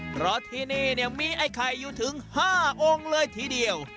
เพราะที่นี่มีไอ้ไข่อยู่ถึง๕องค์เลยทีเดียว